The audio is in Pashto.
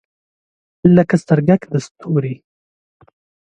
لکه سترګګ د ستوری